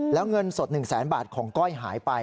แล้วเงินสด๑แสนบาทของก้อยหายไป